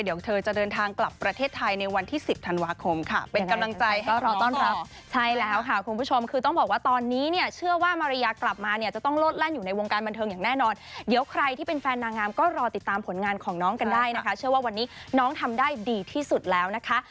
เดี๋ยวเธอจะเดินทางกลับประเทศไทยในวันที่๑๐ธันวาคมค่ะ